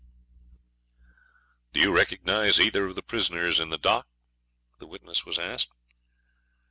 1997. 'Do you recognise either of the prisoners in the dock?' he was asked.